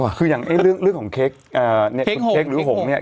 ว่ะคืออย่างเนี้ยเรื่องเรื่องของเค้กเอ่อเนี้ยเค้กหงเนี้ย